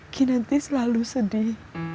kinanti selalu sedih